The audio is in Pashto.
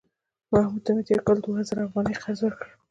محمود ته مې تېر کال دوه زره افغانۍ قرض ورکړ